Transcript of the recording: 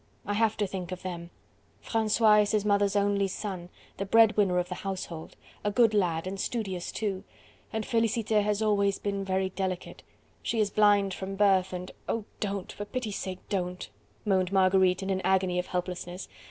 I have to think of them. Francois is his mother's only son, the bread winner of the household, a good lad and studious too, and Felicite has always been very delicate. She is blind from birth and..." "Oh! don't... for pity's sake, don't..." moaned Marguerite in an agony of helplessness.